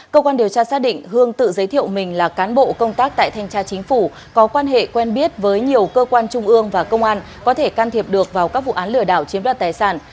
cơ quan điều tra xác định hương tự giới thiệu mình là cán bộ công tác tại thanh tra chính phủ có quan hệ quen biết với nhiều cơ quan trung ương và công an có thể can thiệp được vào các vụ án lừa đảo chiếm đoạt tài sản